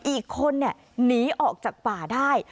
อีกคนหนีออกจากป่าได้